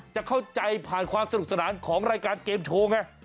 จะเข้าใจผ่านความสนุกสนานของรายการเกมโชว์ไง